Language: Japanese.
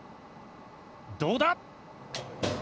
どうだ？